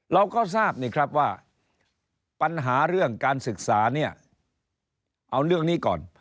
เราก็ทราบนี่ครับว่าปัญหาเรื่องการศึกษาเนี่ยเอาเรื่องนี้ก่อน